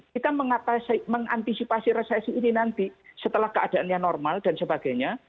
kita mengantisipasi resesi ini nanti setelah keadaannya normal dan sebagainya